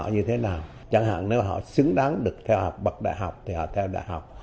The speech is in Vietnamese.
như thế nào chẳng hạn nếu họ xứng đáng được theo bậc đại học thì họ theo đại học